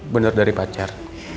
bener dari pacar